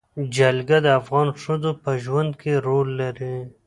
جلګه د افغان ښځو په ژوند کې رول لري.